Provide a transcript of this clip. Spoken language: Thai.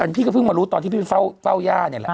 พี่ก็เพิ่งมารู้ตอนที่พี่ไปเฝ้าย่าเนี่ยแหละ